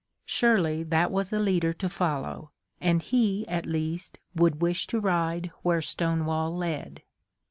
Surely that was a leader to follow, and he, at least, would wish to ride where Stonewall led.